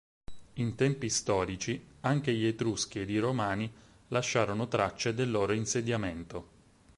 In tempi storici, anche gli etruschi ed i romani lasciarono tracce del loro insediamento.